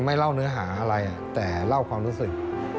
ไม่เล่าเนื้อหาอะไรแต่เล่าความรู้สึก